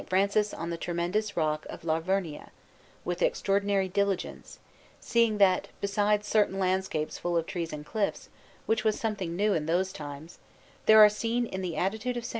Francis on the tremendous rock of La Vernia, with extraordinary diligence, seeing that, besides certain landscapes full of trees and cliffs, which was something new in those times, there are seen in the attitude of a S.